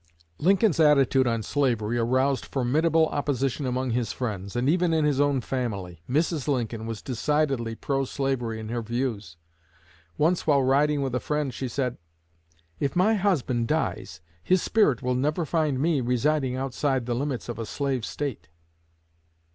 Lincoln's attitude on slavery aroused formidable opposition among his friends, and even in his own family. Mrs. Lincoln was decidedly pro slavery in her views. Once while riding with a friend she said: "If my husband dies, his spirit will never find me residing outside the limits of a slave State."